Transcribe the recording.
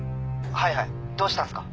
はいはいどうしたんすか？